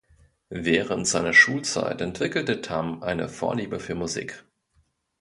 Während seiner Schulzeit entwickelte Tam eine Vorliebe für Musik.